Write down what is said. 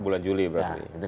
bulan juli berarti